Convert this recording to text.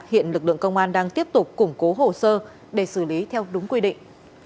hiện lực lượng công an đang tiếp tục củng cố hồ sơ để xử lý theo đúng quy định